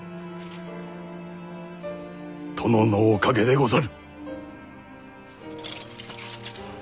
殿のおかげでござる。